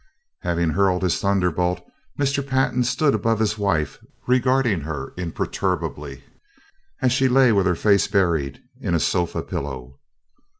Having hurled his thunderbolt, Mr. Pantin stood above his wife regarding her imperturbably as she lay with her face buried in a sofa pillow.